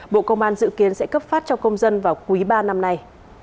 bộ công an dự kiến sẽ cấp phát cho công dân vào quý ba năm nay